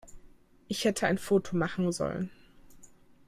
Ich hätte ein Foto machen sollen.